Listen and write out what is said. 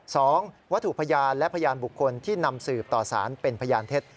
สองวัตถุพยานและพยานบุคคลที่นำสืบต่อสารเป็นพยานเท็จ